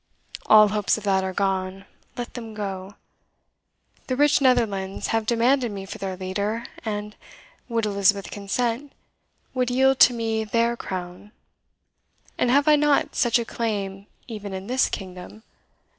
All hopes of that are gone let them go. The rich Netherlands have demanded me for their leader, and, would Elizabeth consent, would yield to me THEIR crown. And have I not such a claim even in this kingdom?